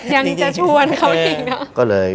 ยังจะชวนเขาดีนะ